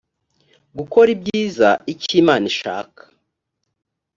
gukora ibyiza icyo imana ishaka